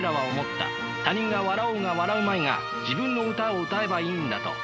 他人が笑おうが笑うまいが自分の歌を歌えばいいんだと。